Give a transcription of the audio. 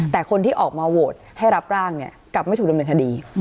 แต่คนที่ออกมาโหวตให้รับร่างเนี่ยกลับไม่ถูกดำเนินคดี